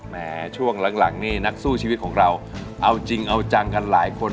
แม้ช่วงหลังนี่นักสู้ชีวิตของเราเอาจริงเอาจังกันหลายคน